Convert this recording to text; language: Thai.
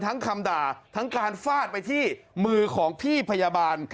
คำด่าทั้งการฟาดไปที่มือของพี่พยาบาล